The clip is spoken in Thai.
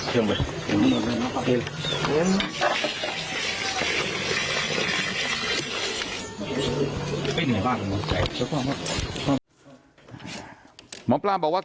หมอปลาบอกว่าการทำน้ำมนต์